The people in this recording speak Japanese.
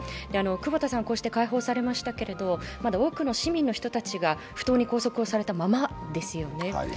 久保田さん、こうして解放されましたけれども、まだ多くの市民の方たちが不当に拘束をされたままですよね。